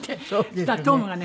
そしたらトムがね